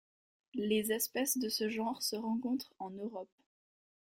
Les espèces de ce genre se rencontrent en Europe.